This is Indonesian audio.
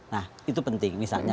nah itu penting misalnya